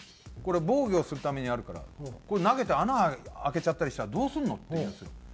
「これ防御するためにあるからこれ投げて穴開けちゃったりしたらどうするの？」って言うんですよ。